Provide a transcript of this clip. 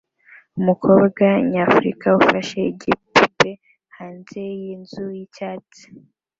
Umukobwa nyafrica ufashe igipupe hanze yinzu yicyatsi